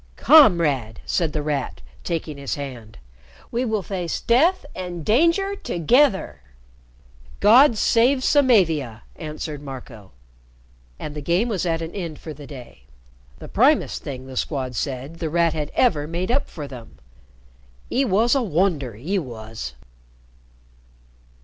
"Comrade!" said The Rat, taking his hand. "We will face death and danger together!" "God save Samavia!" answered Marco. And the game was at an end for the day. The primest thing, the Squad said, The Rat had ever made up for them. "'E wos a wonder, he wos!"